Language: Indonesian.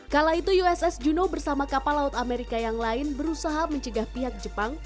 kala itu uss geno bersama kapal laut amerika yang lain berusaha mencegah pihak jepang